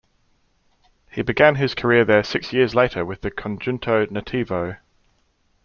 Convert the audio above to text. He began his career there six years later with the Conjunto Nativo.